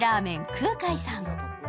喰海さん。